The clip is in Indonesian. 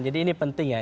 jadi ini penting ya